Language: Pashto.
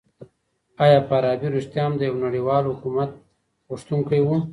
آیا فارابي رښتيا هم د يوه نړيوال حکومت غوښتونکی و؟